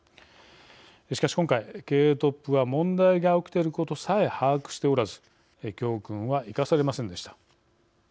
しかし今回、経営トップは問題が起きていることさえ把握しておらず教訓は生かされませんでした。